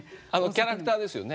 キャラクターです。